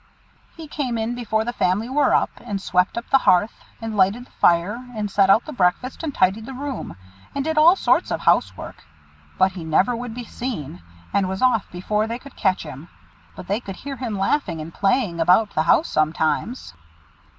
"He came in before the family were up, and swept up the hearth, and lighted the fire, and set out the breakfast, and tidied the room, and did all sorts of house work. But he never would be seen, and was off before they could catch him. But they could hear him laughing and playing about the house sometimes."